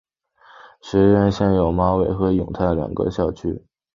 学院现有马尾和永泰两个校区。